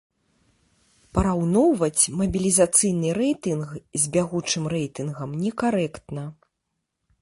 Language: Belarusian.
Параўноўваць мабілізацыйны рэйтынг з бягучым рэйтынгам некарэктна.